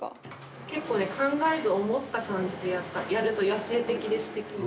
結構考えず思った感じでやると野性的ですてきに。